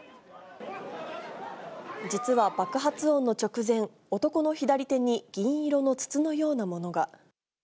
実は爆発音の直前、男の左手に、銀色の筒のようなものが。